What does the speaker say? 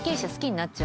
なっちゃう。